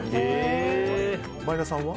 前田さんは？